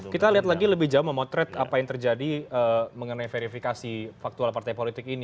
kita lihat lagi lebih jauh memotret apa yang terjadi mengenai verifikasi faktual partai politik ini